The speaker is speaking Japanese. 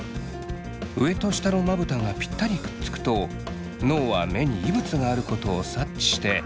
上と下のまぶたがピッタリくっつくと脳は目に異物があることを察知して涙を出します。